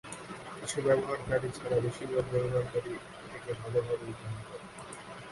কিছু ব্যবহারকারী ছাড়া বেশিরভাগ ব্যবহারকারী একে ভালোভাবেই গ্রহণ করে।